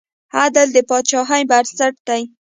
عدل د پاچاهۍ بنسټ دی.